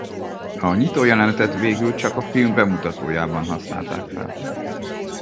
A nyitójelenetet végül csak a film bemutatójában használták fel.